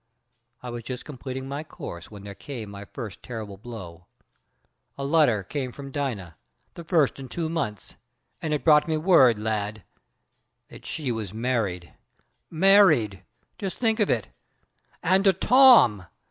"I was just completing my course, when there came my first terrible blow. A letter came from Dina, the first in two months, and it brought me word, lad, that she was married! Married! Just think of it! And to Tom.